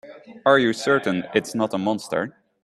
Are you certain it's not a monster?